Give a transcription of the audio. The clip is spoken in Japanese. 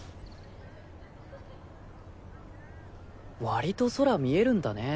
割と空見えるんだね